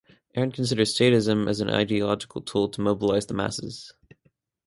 Aren considered statism as an ideological tool to mobilize the masses.